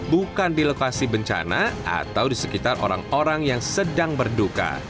bukan di lokasi bencana atau di sekitar orang orang yang sedang berduka